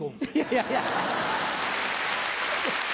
いやいや。